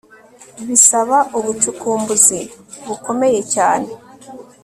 bisaba ubucukumbuzi bukomeye cyane